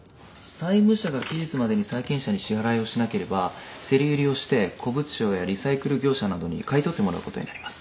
債務者が期日までに債権者に支払いをしなければ競り売りをして古物商やリサイクル業者などに買い取ってもらう事になります。